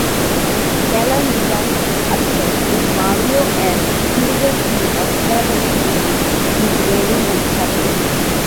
Kalyan becomes upset with Mario and accuses him of sabotaging his wedding on purpose.